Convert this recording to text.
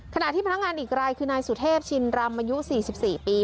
ขณะที่พนักงานอีกรายคือนายสุเทพชินรำอายุ๔๔ปี